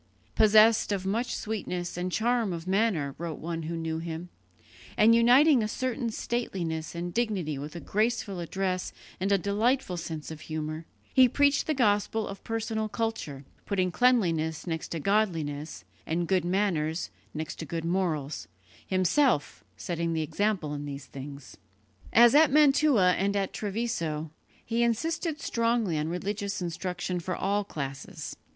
"Possessed of much sweetness and charm of manner," wrote one who knew him, "and uniting a certain stateliness and dignity with a graceful address and a delightful sense of humour, he preached the gospel of personal culture, putting cleanliness next to godliness, and good manners next to good morals, himself setting the example in these things." As at Mantua and at Treviso, he insisted strongly on religious instruction for all classes.